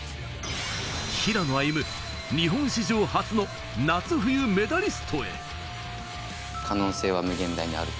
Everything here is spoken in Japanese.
平野歩夢、日本史上初の夏冬メダリストへ。